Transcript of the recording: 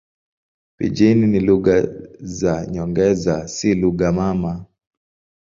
Pijini ni lugha za nyongeza, si lugha mama.